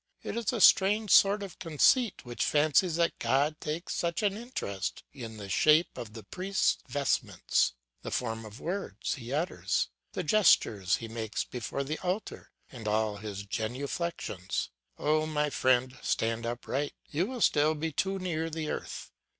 It is a strange sort of conceit which fancies that God takes such an interest in the shape of the priest's vestments, the form of words he utters, the gestures he makes before the altar and all his genuflections. Oh, my friend, stand upright, you will still be too near the earth.